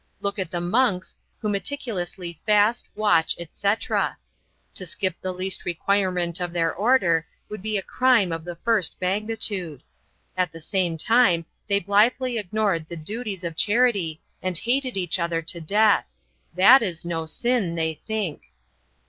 Look at the monks, who meticulously fast, watch, etc. To skip the least requirement of their order would be a crime of the first magnitude. At the same time they blithely ignored the duties of charity and hated each other to death. That is no sin, they think.